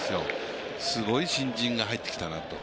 すごい新人が入ってきたなと。